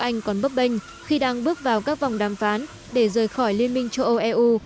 ngân hàng trung ương của anh còn bấp bênh khi đang bước vào các vòng đàm phán để rời khỏi liên minh châu âu eu